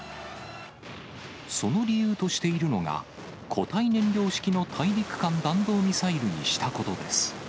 その理由としているのが、固体燃料式の大陸間弾道ミサイルにしたことです。